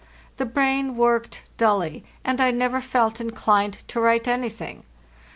The brain worked dully, and I never felt inclined to write anything.